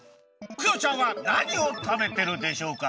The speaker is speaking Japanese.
クヨちゃんはなにを食べてるでしょうか？